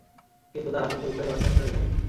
কিন্তু, তার আসল পরিচয় রহস্যময় হয়েই থাকে।